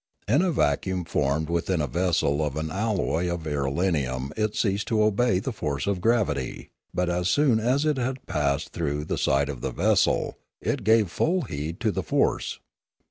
In a vacuum formed within a vessel of an alloy of irelium it ceased to obey the force of gravity; but as soon as it had passed through the side of the vessel, it gave full heed to the force.